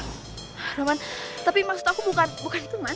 roman tapi maksud aku bukan bukan itu man